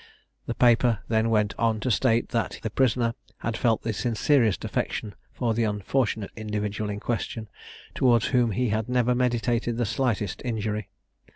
The paper then went on to state that the prisoner had felt the sincerest affection for the unfortunate individual in question, towards whom he had never meditated the slightest injury.